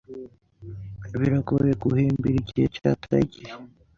Biragoye guhimbira igihe cyataye igihe.